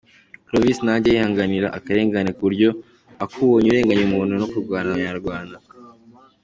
Clovis ntajya yihanganira akarengane kuburyo akubonye urenganya umuntu no kurwana yarwana.